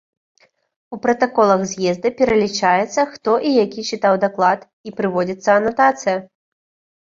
У пратаколах з'езда пералічаецца, хто і які чытаў даклад, і прыводзіцца анатацыя.